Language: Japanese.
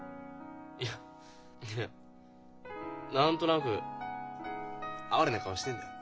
いや何となく哀れな顔してんだよ